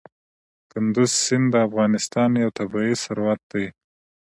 کندز سیند د افغانستان یو طبعي ثروت دی.